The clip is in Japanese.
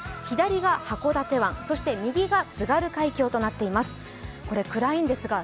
左が函館湾、右が津軽海峡となっています。